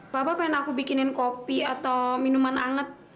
papa pengen aku bikinin kopi atau minuman anget